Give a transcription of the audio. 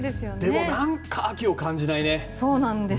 でも、何か秋を感じないね。